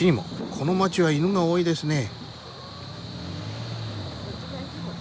この街は犬が多いですね。